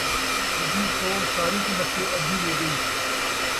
ادھی چھوڑ ساری کوں نسے، ادھی وی ڳئی